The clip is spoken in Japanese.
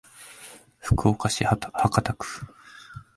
福岡市博多区